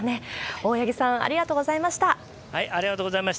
大八木さん、ありがとうございました。